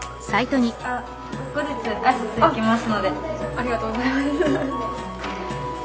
ありがとうございます。